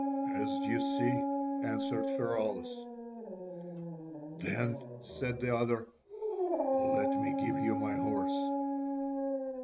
"As you see," answered Pheraulas. "Then," said the other, "let me give you my horse."